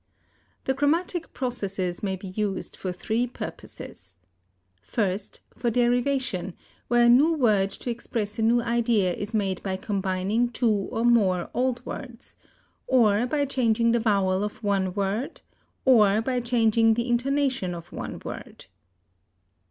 The grammatic processes may be used for three purposes: First, for derivation, where a new word to express a new idea is made by combining two or more old words, or by changing the vowel of one word, or by changing the intonation of one word.